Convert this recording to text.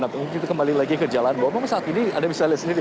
dan mungkin kembali lagi ke jalan memang saat ini anda bisa lihat sendiri